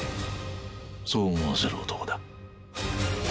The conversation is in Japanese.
そう思わせる男だ。